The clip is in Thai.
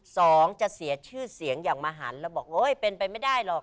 สองจะเสียชื่อเสียงอย่างมหันแล้วบอกโอ๊ยเป็นไปไม่ได้หรอก